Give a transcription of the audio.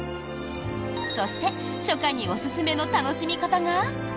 そして初夏におすすめの楽しみ方が。